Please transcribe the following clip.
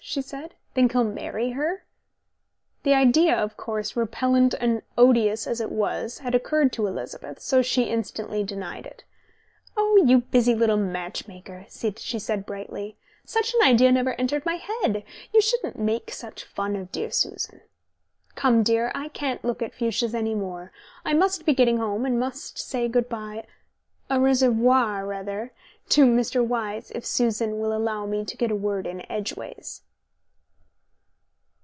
she said. "Think he'll marry her?" The idea of course, repellent and odious as it was, had occurred to Elizabeth, so she instantly denied it. "Oh, you busy little match maker," she said brightly. "Such an idea never entered my head. You shouldn't make such fun of dear Susan. Come, dear, I can't look at fuchsias any more. I must be getting home and must say good bye au reservoir, rather to Mr. Wyse, if Susan will allow me to get a word in edgeways."